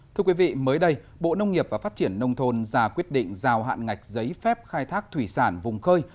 thưa quý vị mới đây bộ nông nghiệp và phát triển nông thôn ra quyết định giao hạn ngạch giấy phép khai thác thủy sản vùng khơi